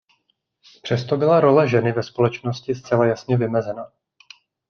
Přesto byla role ženy ve společnosti zcela jasně vymezena.